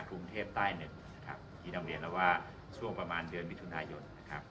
กรุงเทพใต้หนึ่งนะครับที่นำเรียนแล้วว่าช่วงประมาณเดือนมิถุนายนนะครับ